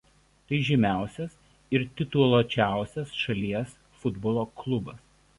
Tai žymiausias ir tituluočiausias šalies futbolo klubas.